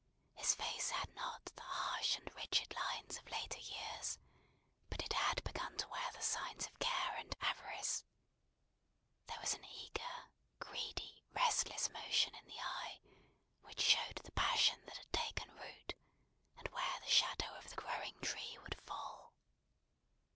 His face had not the harsh and rigid lines of later years; but it had begun to wear the signs of care and avarice. There was an eager, greedy, restless motion in the eye, which showed the passion that had taken root, and where the shadow of the growing tree would fall.